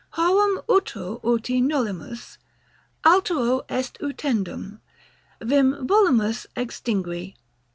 Horum utro uti nolimus, altero est utendum. Vim volumus extingui.